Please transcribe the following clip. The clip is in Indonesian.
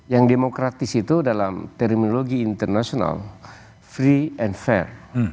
yang demokratis itu dalam terminologi international free and fair